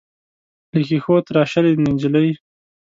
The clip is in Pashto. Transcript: له ښیښو تراشلې نجلۍ.